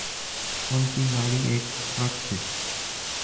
ان کی گاڑی ایک ٹرک سے